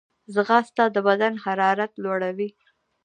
ځغاسته د بدن حرارت لوړوي